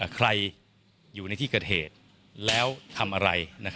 ใครอยู่ในที่เกิดเหตุแล้วทำอะไร